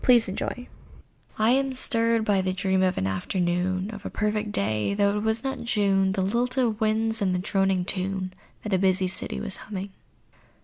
AN AFTERNOON I am stirred by the dream of an afternoon Of a perfect day—though it was not June; The lilt of winds, and the droning tune That a busy city was humming.